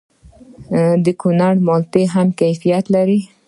د کونړ مالټې هم کیفیت لري.